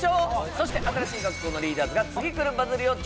そして新しい学校のリーダーズが次くるバズりを調査